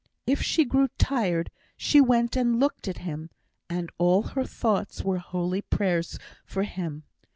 If she grew tired, she went and looked at him, and all her thoughts were holy prayers for him.